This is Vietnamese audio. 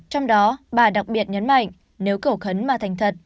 trong đó bà đặc biệt nhấn mạnh nếu cầu khấn mà thành thật